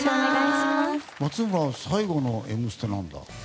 松村は最後の「Ｍステ」なんだ？